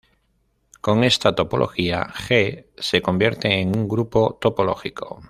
Con esta topología "G" se convierte en un grupo topológico.